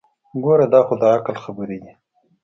ګوره دا خو دعقل خبرې دي.